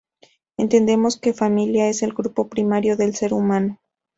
Entendemos que familia es el grupo primario del ser humano.